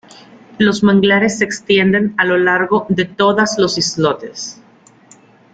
Los manglares se extienden a lo largo de todas los islotes.